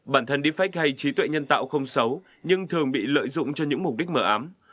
bản thân defect hay trí tuệ nhân tạo không xấu nhưng thường bị lợi dụng cho những mục đích mở ám